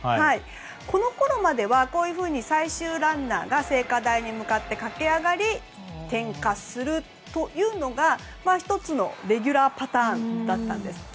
このころまでは最終ランナーが聖火台に向かって駆け上がり点火するというのが１つのレギュラーパターンだったんです。